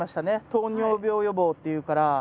糖尿病予防って言うから。